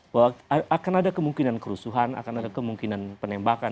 bahwa akan ada kemungkinan kerusuhan akan ada kemungkinan penembakan